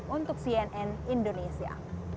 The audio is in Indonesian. untuk cnn indonesia